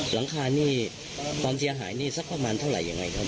หลังคานี่ความเสียหายนี่สักประมาณเท่าไหร่ยังไงครับ